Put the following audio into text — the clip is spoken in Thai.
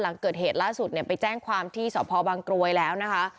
หลังเกิดเหตุล่าสุดเนี่ยไปแจ้งความที่สพบังกรวยแล้วนะคะ